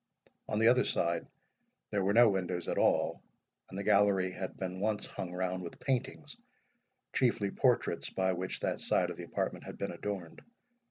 On the other side there were no windows at all, and the gallery had been once hung round with paintings, chiefly portraits, by which that side of the apartment had been adorned.